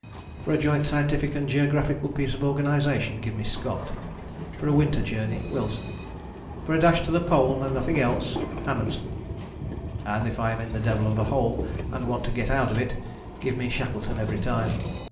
For a joint scientific and geographical piece of organization, give me Scott; for a Winter Journey, Wilson; for a dash to the Pole and nothing else, Amundsen: and if I am in the devil of a hole and want to get out of it, give me Shackleton every time.